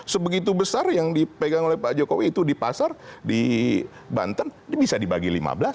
sebegitu besar yang dipegang oleh pak jokowi itu di pasar di banten bisa dibagi lima belas